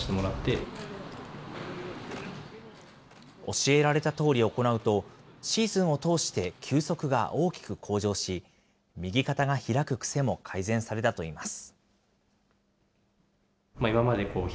教えられたとおり行うと、シーズンを通して球速が大きく向上し、右肩が開く癖も改善されたといいます。